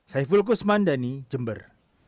saya fulkus mandani jember